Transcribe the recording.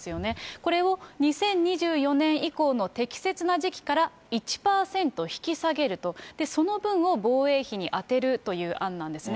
これを２０２４年以降の適切な時期から１％引き下げると、その分を防衛費に充てるという案なんですね。